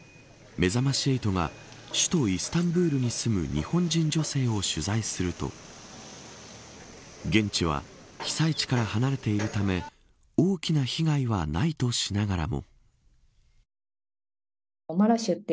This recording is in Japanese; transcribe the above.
めざまし８が首都イスタンブールに住む日本人女性を取材すると現地は被災地から離れているため大きな被害はないとしながらも。